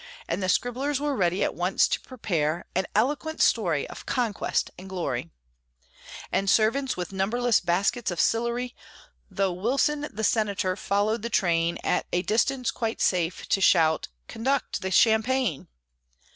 And the scribblers were ready at once to prepare An eloquent story Of conquest and glory; And servants with numberless baskets of Sillery, Though Wilson, the Senator, followed the train, At a distance quite safe, to "conduct the Champagne!"